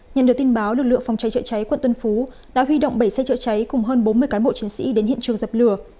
nhận được tin báo lực lượng phòng cháy chữa cháy quận tân phú đã huy động bảy xe chữa cháy cùng hơn bốn mươi cán bộ chiến sĩ đến hiện trường dập lửa